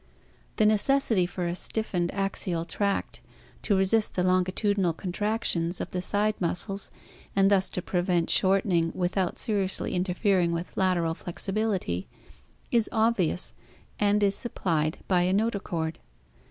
The necessity for a stiffened axial tract to resist the longitudinal contractions of the side muscles and thus to prevent shortening without seriously interfering with lateral flexibility, is obvious and is supplied by a notochord.